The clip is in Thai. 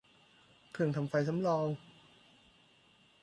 เครื่องทำไฟสำรอง